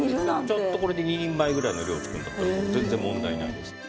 ちゃんとこれで２人前ぐらいの量作るんだったら全然問題ないです。